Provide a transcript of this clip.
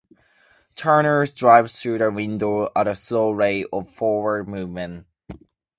Turners drive through the windrow at a slow rate of forward movement.